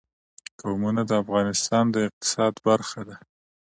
قومونه د افغانستان د اقتصاد برخه ده.